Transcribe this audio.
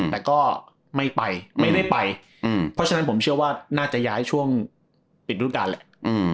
แต่ก็ไม่ไปไม่ได้ไปเพราะฉะนั้นผมเชื่อว่าน่าจะย้ายช่วงปิดรูปการณ์แหละ